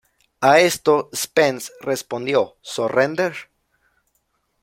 A esto, Spence respondió: ""Surrender?